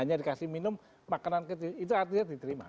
hanya dikasih minum makanan kecil itu artinya diterima